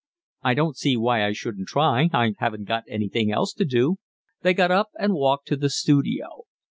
"I don't see why I shouldn't try. I haven't got anything else to do." They got up and walked to the studio.